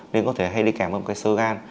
nên có thể hay đi kèm với một cái sơ gan